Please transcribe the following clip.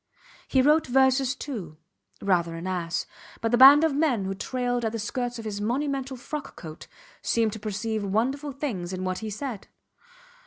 He wrote verses too. Rather an ass. But the band of men who trailed at the skirts of his monumental frock coat seemed to perceive wonderful things in what he said.